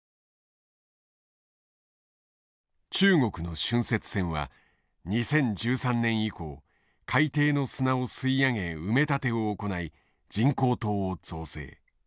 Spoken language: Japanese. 中国の浚渫船は２０１３年以降海底の砂を吸い上げ埋め立てを行い人工島を造成。